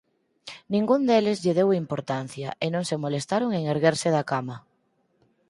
Ningún deles lle deu importancia e non se molestaron en erguerse da cama.